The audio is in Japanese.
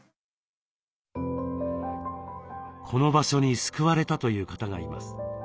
この場所に救われたという方がいます。